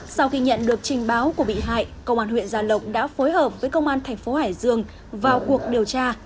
sau khi nhận được trình báo của bị hại công an huyện gia lộc đã phối hợp với công an thành phố hải dương vào cuộc điều tra